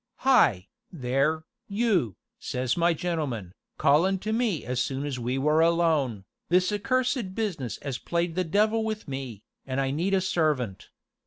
'Hi, there, you,' says my gentleman, callin' to me as soon as we were alone, 'this accursed business 'as played the devil with me, an' I need a servant.